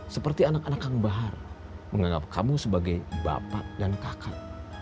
seperti anak anak kang bahar menganggap kamu sebagai bapak dan kakak